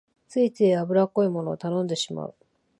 ついつい油っこいものを頼んでしまう